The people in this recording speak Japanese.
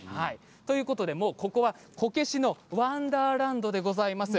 ということで、ここはこけしのワンダーランドでございます。